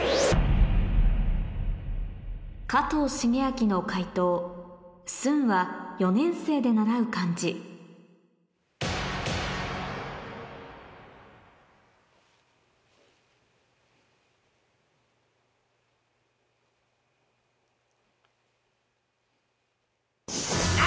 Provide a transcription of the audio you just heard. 加藤シゲアキの解答「寸は４年生で習う漢字」あ！